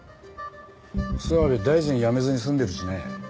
諏訪部大臣辞めずに済んでるしね。